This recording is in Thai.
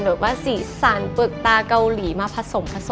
แบบว่าสีสันเปลือกตาเกาหลีมาผสมผสม